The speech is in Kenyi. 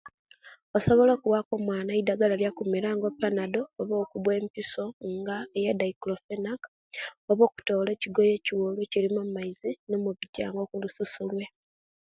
Basobola okuwakku omwana eidagala elwa kumira nga panadol oba okubwa empisio nga eya diclofenac oba okutola ekiwolu ekiliimu nomubitia nga kulususu lwe